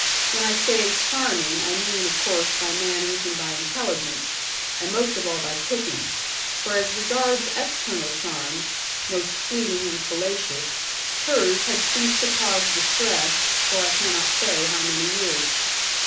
When I say "charming," I mean of course by manners and by intelligence, and most of all by cooking; for as regards external charms (most fleeting and fallacious) hers had ceased to cause distress, for I cannot say how many years.